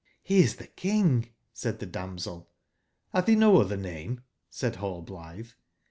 *' He is tbe King," said tbe damsel. Ratb be no otber name?" said nallblitbe.